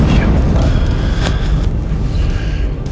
dia tem lui